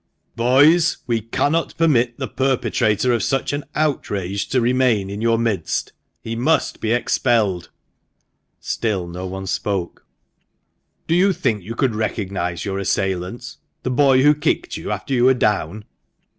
"Boys, we cannot permit the perpetrator of such an outrage to remain in your midst ; he must be expelled !" Still no one spoke. "Do you think you could recognise your assailant — the boy who kicked you after you were down